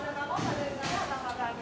itu lagi kalau gak mau ada yang nanya atau gak